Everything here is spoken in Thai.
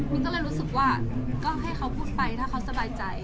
มีก็เลยรู้สึกว่าก็ให้เขาพูดไปถ้าเขาสบายใจ